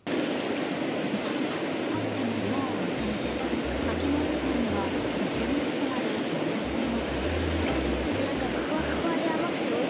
少しでも涼を求めてかき氷店には店の外まで行列が。